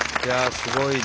すごいな。